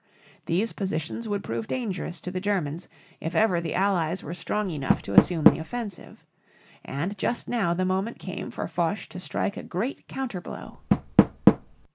These positions would prove dangerous to the Germans if ever the Allies were strong enough to assume the offensive. And just now the moment came for Foch to strike a great counter blow.